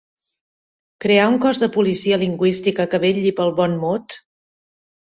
¿Crear un cos de policia lingüística que vetlli pel bon mot?